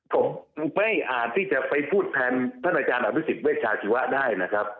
ผมไม่อาจที่จะไปพูดแทนท่านอาจารย์อภิษฎเวชาชีวะได้นะครับ